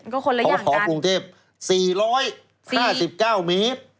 ก็คนละอย่างกันหอชมเมืองกรุงเทพฯ๔๕๙มิตร